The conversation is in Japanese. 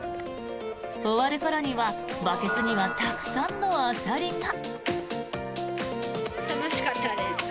終わる頃にはバケツにはたくさんのアサリが。